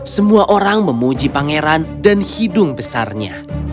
semua orang memuji pangeran dan hidung besarnya